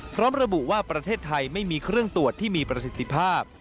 พร้อมระบุว่าประเทศไทยไม่มีเครื่องตรวจที่มีประสิทธิภาพ